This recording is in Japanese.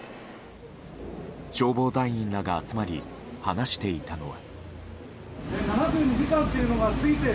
消防隊員らが集まり話していたのは。